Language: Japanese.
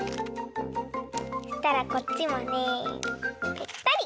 そしたらこっちもねぺったり！